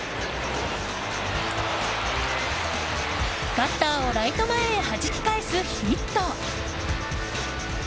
カッターをライト前へはじき返すヒット。